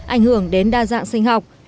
ảnh hưởng đến đa dạng sinh học